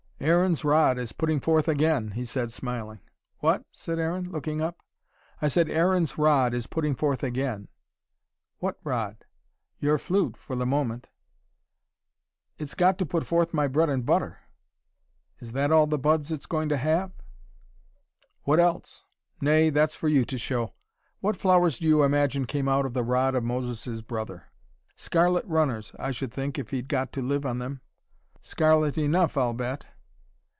"Aaron's rod is putting forth again," he said, smiling. "What?" said Aaron, looking up. "I said Aaron's rod is putting forth again." "What rod?" "Your flute, for the moment." "It's got to put forth my bread and butter." "Is that all the buds it's going to have?" "What else!" "Nay that's for you to show. What flowers do you imagine came out of the rod of Moses's brother?" "Scarlet runners, I should think if he'd got to live on them." "Scarlet enough, I'll bet."